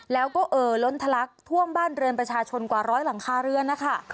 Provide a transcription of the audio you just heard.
แล้วก็เอ่อล้นทะลักท่วมบ้านเรือนประชาชนกว่าร้อยหลังคาเรือนนะคะ